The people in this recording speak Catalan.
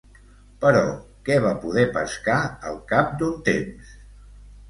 Però què va poder pescar al cap d'un temps?